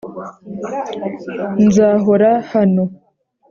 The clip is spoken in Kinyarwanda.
nzahora hano,